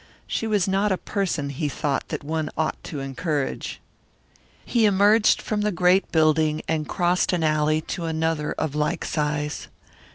She was not a person, he thought, that one ought to encourage. He emerged from the great building and crossed an alley to another of like size.